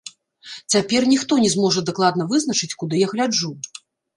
Цяпер ніхто не зможа дакладна вызначыць, куды я гляджу.